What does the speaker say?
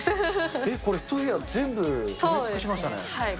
えっ、一部屋全部埋め尽くしましたね。